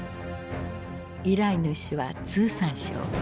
依頼主は通産省。